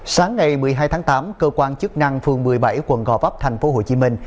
sáng ngày một mươi hai tháng tám cơ quan chức năng phường một mươi bảy quận gò vấp thành phố hồ chí minh